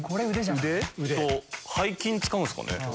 腕と背筋使うんすかね？